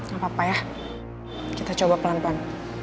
gapapa ya kita coba pelan pelan